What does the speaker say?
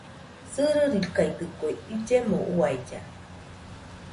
Sɨririkaidɨkue illemo uailla.